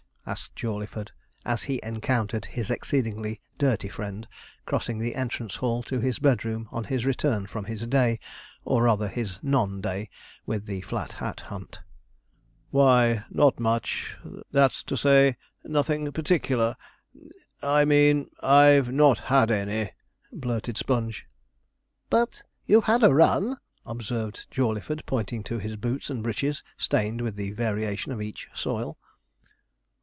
asked Jawleyford, as he encountered his exceedingly dirty friend crossing the entrance hall to his bedroom on his return from his day, or rather his non day, with the 'Flat Hat Hunt.' 'Why, not much that's to say, nothing particular I mean, I've not had any,' blurted Sponge. 'But you've had a run?' observed Jawleyford, pointing to his boots and breeches, stained with the variation of each soil.